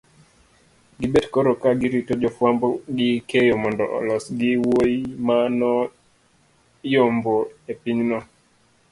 gibet koro ka girito jofwambo gi keyo mondo olos gi wuoyimanoyomboepinyno